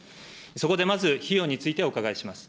そこでまず、費用についてお伺いします。